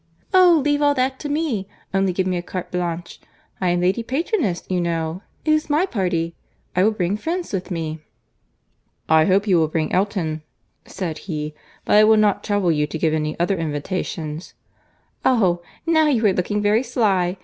"Oh! leave all that to me. Only give me a carte blanche.—I am Lady Patroness, you know. It is my party. I will bring friends with me." "I hope you will bring Elton," said he: "but I will not trouble you to give any other invitations." "Oh! now you are looking very sly.